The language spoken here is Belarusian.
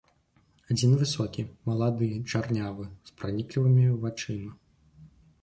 Адзін высокі, малады, чарнявы, з праніклівымі вачыма.